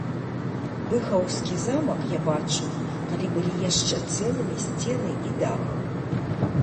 Быхаўскі замак я бачыў, калі былі яшчэ цэлымі і сцены, і дах.